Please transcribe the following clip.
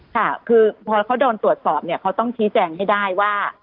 ค่ะคือพอเขาโดนตรวจสอบเนี่ยเขาต้องชี้แจงให้ได้ว่า